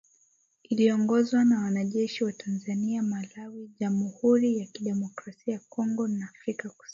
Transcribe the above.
Iliongozwa na wanajeshi wa Tanzania, Malawi, Jamuhuri ya Kidemokrasia ya Kongo na Afrika kusini